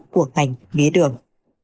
của ngành bía đường